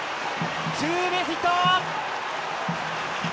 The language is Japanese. ツーベースヒット！